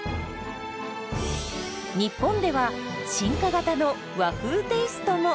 日本では進化型の和風テイストも！